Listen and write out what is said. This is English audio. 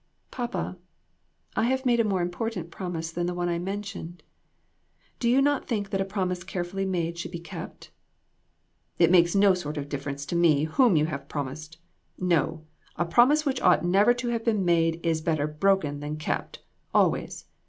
" Papa, I have made a more important promise than the one I mentioned. Do you not think that a promise carefully made should be kept? " "It makes no sort of difference to me whom you have promised. No, a promise which ought never to have been made is better broken than kept, always.